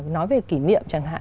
nói về kỉ niệm chẳng hạn